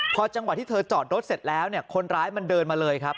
พอจังหวะที่เธอจอดรถเสร็จแล้วเนี่ยคนร้ายมันเดินมาเลยครับ